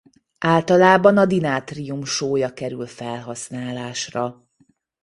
Általában a dinátrium-sója kerül felhasználásra.